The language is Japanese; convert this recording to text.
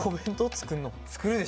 作るでしょ。